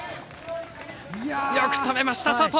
よく止めました、佐藤！